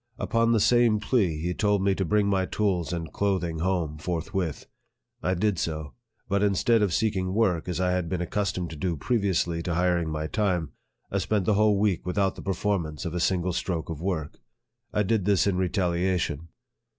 Upon the same plea, he told me to bring my tools and clothing home forthwith. I did so ; but instead of seeking work, as I had been accustomed to do previously to hiring my time, I spent the whole week without the performance of a single stroke of work. I did this in retaliation.